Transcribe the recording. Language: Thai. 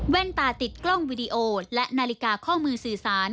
ตาติดกล้องวิดีโอและนาฬิกาข้อมือสื่อสาร